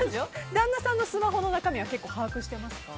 旦那さんのスマホの中身は把握してますか？